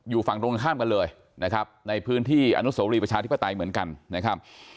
อยู่ฝั่งตรงข้ามกันเลยนะครับในพื้นที่อนุโสรีประชาธิปไตยเหมือนกันนะครับ